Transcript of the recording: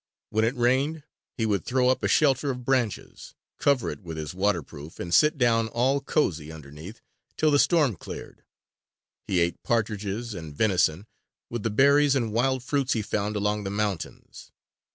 When it rained he would throw up a shelter of branches, cover it with his waterproof, and sit down all cozy underneath, till the storm cleared. He ate partridges and venison, with the berries and wild fruits he found along the mountains.